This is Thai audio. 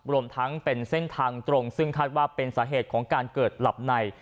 รวมทั้งเป็นเส้นทางตรงซึ่งคาดว่าเป็นสาเหตุของการเกิดหลับใน